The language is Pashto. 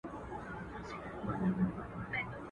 يادوه مي ته، مړوي به مي خداى.